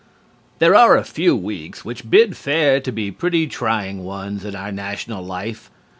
There are a few weeks which bid fair to be pretty trying ones in our national life.